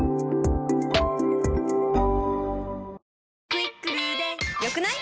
「『クイックル』で良くない？」